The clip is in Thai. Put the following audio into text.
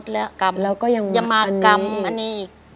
เราก็ยังมาอันนี้